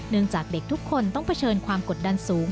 จากเด็กทุกคนต้องเผชิญความกดดันสูง